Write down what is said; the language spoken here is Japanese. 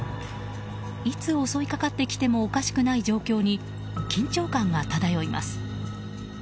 いつ襲いかかってきてもおかしくない状況に緊張感が漂います。